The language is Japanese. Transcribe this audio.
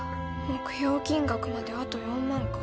目標金額まであと４万か。